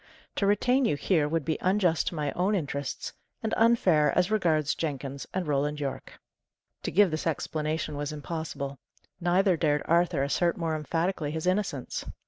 To retain you here would be unjust to my own interests, and unfair as regards Jenkins and Roland Yorke." To give this explanation was impossible; neither dared Arthur assert more emphatically his innocence.